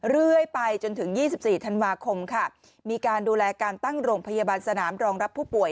เรื่อยไปจนถึง๒๔ธันวาคมค่ะมีการดูแลการตั้งโรงพยาบาลสนามรองรับผู้ป่วย